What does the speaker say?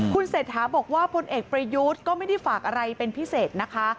คุณเศรษฐาบอกว่าพลเอกประยุทธ์ก็ไม่ได้ฝากอะไรเป็นพิเศษนะคะ